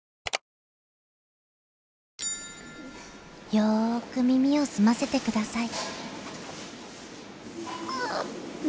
よく耳を澄ませてください。